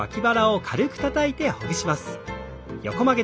横曲げ。